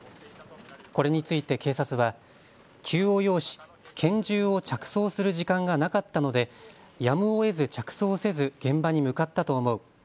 これについて警察は急を要し拳銃を着装する時間がなかったので、やむをえず着装せず現場に向かったと思う。